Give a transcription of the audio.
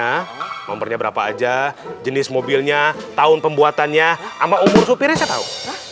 nomornya nomornya berapa aja jenis mobilnya tahun pembuatannya ama umur supirnya tahu